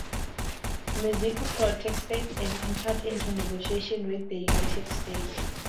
Mexico protested and entered into negotiations with the United States.